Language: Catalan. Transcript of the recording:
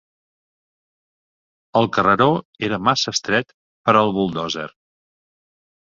El carreró era massa estret per al buldòzer.